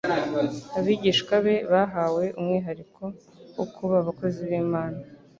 Abigishwa be bahawe umwihariko wo kuba abakozi b'Imana,